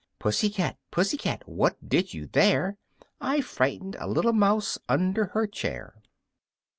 "Pussy cat, Pussy cat, what did you there?" "I frightened a little mouse under her chair!"